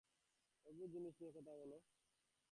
অদ্ভুত জিনিস নিয়ে কথা বলে।